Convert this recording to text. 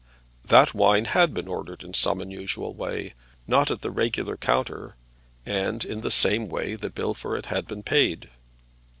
That wine had been ordered in some unusual way, not at the regular counter, and in the same way the bill for it had been paid.